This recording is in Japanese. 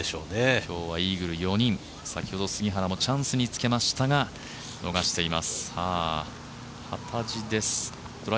今日はイーグル４人、先ほど杉原もチャンスにつけましたが逃しています。